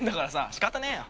しかたねえよ。